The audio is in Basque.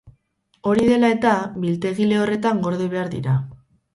Hori dela-eta, biltegi lehorretan gorde behar dira.